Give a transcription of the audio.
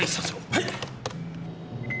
はい。